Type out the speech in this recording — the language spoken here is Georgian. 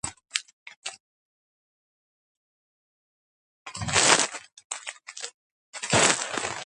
ტბის რაიონში კლიმატი ზღვიურია, ზომიერად კონტინენტური.